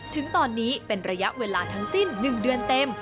ถึงตอนนี้เป็นระยะเวลาทั้งสิ้น๑เดือนเต็ม